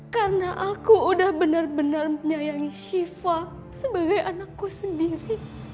karena aku udah bener bener menyayangi sifat sebagai anakku sendiri